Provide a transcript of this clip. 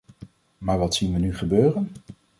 Maar wat zien we nu gebeuren?